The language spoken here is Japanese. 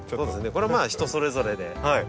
これはまあ人それぞれで。